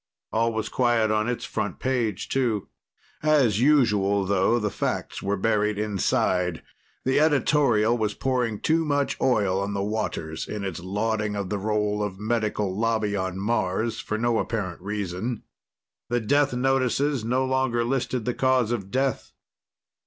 All was quiet on its front page, too. As usual, though, the facts were buried inside. The editorial was pouring too much oil on the waters in its lauding of the role of Medical Lobby on Mars for no apparent reason. The death notices no longer listed the cause of death.